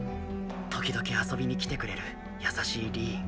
時々遊びに来てくれる優しいリーン。